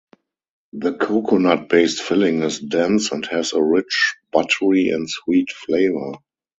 The coconut-based filling is dense and has a rich, buttery and sweet flavour.